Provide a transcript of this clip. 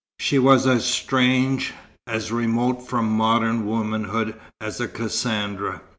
She was as strange, as remote from modern womanhood as a Cassandra.